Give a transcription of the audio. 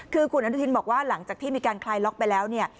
คือคุณอนุทินบอกว่าหลังจากที่มีการคลายล็อกไปแล้วเนี่ย